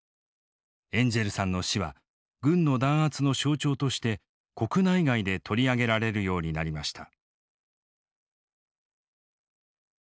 エンジェルさんの死は軍の弾圧の象徴として国内外で取り上げられるようになりました。